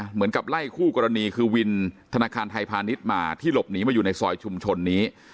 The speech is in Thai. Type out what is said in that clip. เหมือนกับไล่คู่กรณีคือวินธนาคารไทยพาณิชย์มาที่หลบหนีมาอยู่ในซอยชุมชนนี้